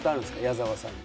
矢沢さんに。